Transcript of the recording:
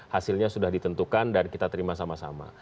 hasilnya sudah ditentukan dan kita terima sama sama